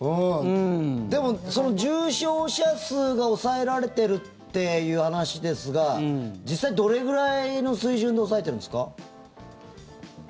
でも、その重症者数が抑えられてるっていう話ですが実際、どれくらいの水準で抑えてるんですか？